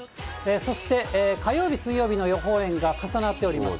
そして火曜日、水曜日の予報円が重なっております。